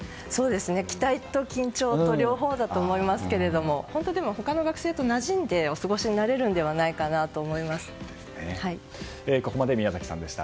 期待と緊張と両方だと思いますが他の学生となじんでお過ごしになれるのではないかとここまで宮崎さんでした。